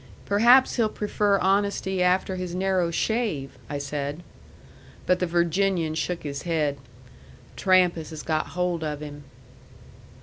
"Perhaps he'll prefer honesty after his narrow shave," I said. But the Virginian shook his head. "Trampas has got hold of him."